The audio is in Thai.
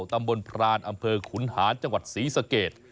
ตำบลพรานอำเภอขุนหานจังหวัดศรีสเกต